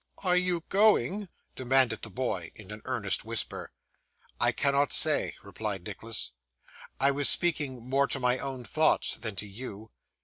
'Are you going?' demanded the boy, in an earnest whisper. 'I cannot say,' replied Nicholas. 'I was speaking more to my own thoughts, than to you.